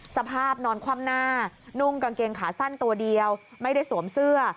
สภาพนอนคว่ำหน้านุ่งกางเกงขาสั้นตัวเดียวไม่ได้สวมเสื้อ